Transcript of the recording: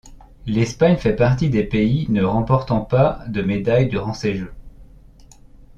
L'Espagne fait partie des pays ne remportant pas de médailles durant ces Jeux.